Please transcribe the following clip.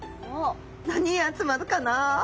何に集まるかな。